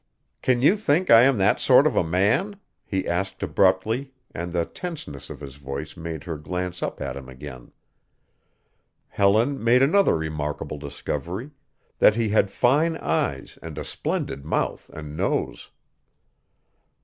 "Can you think I am that sort of a man?" he asked abruptly and the tenseness of his voice made her glance up at him again. Helen made another remarkable discovery that he had fine eyes and a splendid mouth and nose.